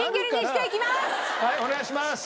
はいお願いします！